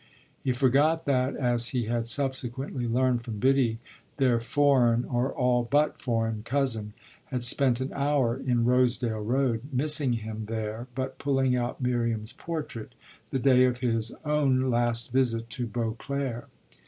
He forgot that, as he had subsequently learned from Biddy, their foreign, or all but foreign, cousin had spent an hour in Rosedale Road, missing him there but pulling out Miriam's portrait, the day of his own last visit to Beauclere.